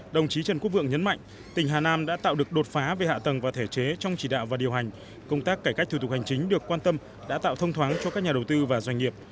đồng chí trần quốc vượng nhấn mạnh tỉnh hà nam đã tạo được đột phá về hạ tầng và thể chế trong chỉ đạo và điều hành công tác cải cách thủ tục hành chính được quan tâm đã tạo thông thoáng cho các nhà đầu tư và doanh nghiệp